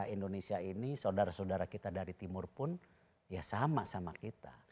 indonesia ini saudara saudara kita dari timur pun ya sama sama kita